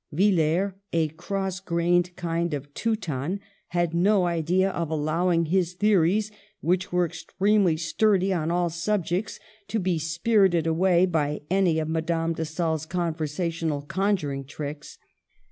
Villers, a cross grained kind of Teuton, had no idea of allowing his theories, which were extremely sturdy on all subjects, to be spirited away by any of Madame de Stael's conversational conjuring tricks.